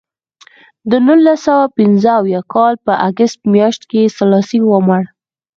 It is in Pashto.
د نولس سوه پنځه اویا کال په اګست میاشت کې سلاسي ومړ.